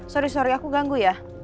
sorry sorry aku ganggu ya